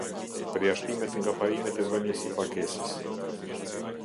Përjashtimet nga parimet e vënies së pagesës.